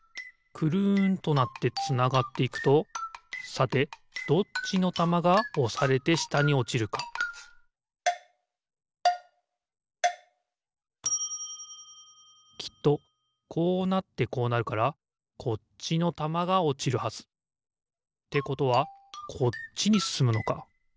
くるんとなってつながっていくとさてどっちのたまがおされてしたにおちるかきっとこうなってこうなるからこっちのたまがおちるはず。ってことはこっちにすすむのか。